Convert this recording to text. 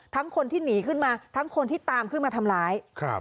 คนที่หนีขึ้นมาทั้งคนที่ตามขึ้นมาทำร้ายครับ